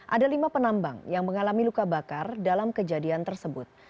ada lima penambang yang mengalami luka bakar dalam kejadian tersebut